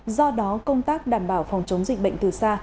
do đó công tác đảm bảo phòng chống dịch bệnh từ xa